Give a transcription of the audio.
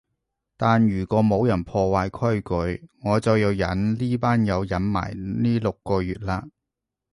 但如果冇人破壞規矩，我就要忍呢班友忍埋呢六個月喇